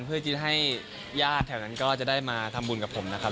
เพื่อที่ให้ญาติแถวนั้นก็จะได้มาทำบุญกับผมนะครับ